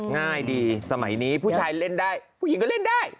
ง่ายดีสมัยนี้ผู้ชายเล่นได้ผู้หญิงก็เล่นได้